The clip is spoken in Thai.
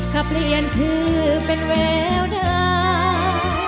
ถ้าเปลี่ยนชื่อเป็นแววได้